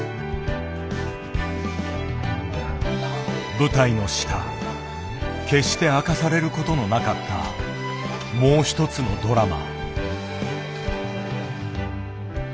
舞台の下決して明かされることのなかったもう一つのドラマ。